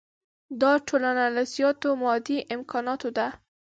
دا ټولنه له زیاتو مادي امکاناتو ده.